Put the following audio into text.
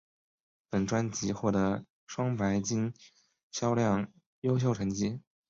本专辑获得双白金销量优秀成绩。